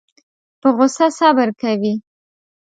په غوسه صبر کوي.